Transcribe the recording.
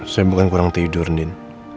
saya bukan kurang tidur nin